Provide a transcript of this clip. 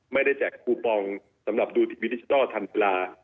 แจกคูปองสำหรับดูทีวีดิจิทัลทันเวลา